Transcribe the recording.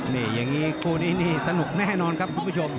นี่อย่างนี้คู่นี้นี่สนุกแน่นอนครับคุณผู้ชม